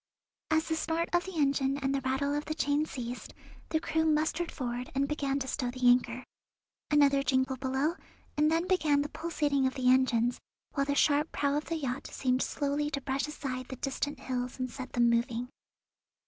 As the snort of the engine and the rattle of the chain ceased, the crew mustered forward and began to stow the anchor. Another jingle below, and then began the pulsating of the engines, while the sharp prow of the yacht seemed slowly to brush aside the distant hills and set them moving.